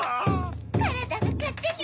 からだがかってに